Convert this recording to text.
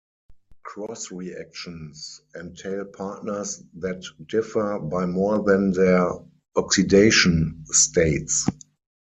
Cross reactions entail partners that differ by more than their oxidation states.